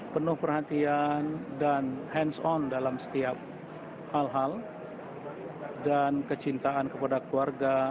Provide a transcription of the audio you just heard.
penuh perhatian dan hands on dalam setiap hal hal dan kecintaan kepada keluarga